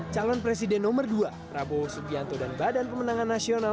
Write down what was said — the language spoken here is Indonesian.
calon presiden nomor dua prabowo subianto dan badan pemenangan nasional